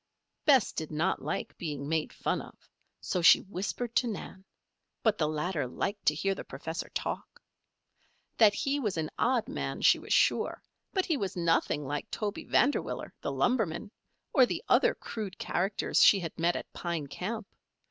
Bess did not like being "made fun of," so she whispered to Nan; but the latter liked to hear the professor talk. That he was an odd man she was sure; but he was nothing like Toby Vanderwiller, the lumberman, or the other crude characters she had met at Pine Camp.